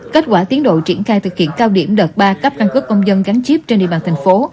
kết quả tiến độ triển khai thực hiện cao điểm đợt ba cấp căn cước công dân gắn chip trên địa bàn thành phố